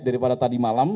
daripada tadi malam